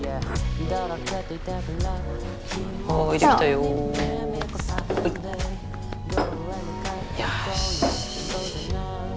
よし。